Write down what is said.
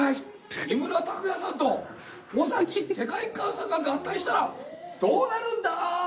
木村拓哉さんと尾崎世界観さんが合体したらどうなるんだー？